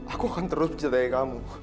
aku akan terus mencintai kamu